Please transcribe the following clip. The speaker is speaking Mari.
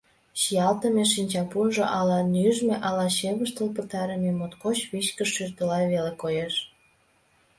Чиялтыме шинчапунжо ала нӱжмӧ, ала чывыштыл пытарыме — моткоч вичкыж, шӱртыла веле коеш.